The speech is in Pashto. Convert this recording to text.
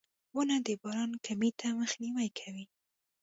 • ونه د باران کمي ته مخنیوی کوي.